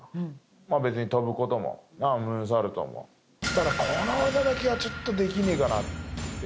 ただこの技だけはちょっとできねえかなって。